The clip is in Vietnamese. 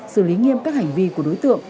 xử lý nghiêm các hành vi của đối tượng